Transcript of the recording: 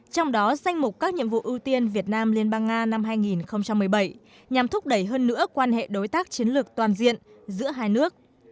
trong đó danh mục các nhiệm vụ ưu tiên việt nam liên bang nga năm hai nghìn một mươi bảy nhằm thúc đẩy hơn nữa quan hệ đối tác chiến lược toàn diện giữa hai nước